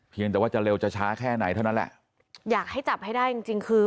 แต่ว่าจะเร็วจะช้าแค่ไหนเท่านั้นแหละอยากให้จับให้ได้จริงจริงคือ